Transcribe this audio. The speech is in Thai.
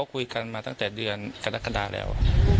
ก็คุยกันมาตั้งแต่เดือนกณฑศคดาแล้ว